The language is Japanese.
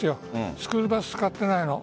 スクールバス使っていないの。